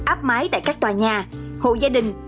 áp máy tại các tòa nhà hộ gia đình